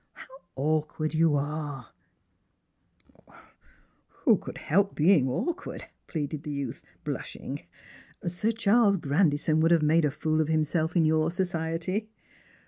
How awkward you are !" "Who could help being awkward?" pleaded the youth, blushing. " Sir Charles Grandison would have made a fool of himself in your society."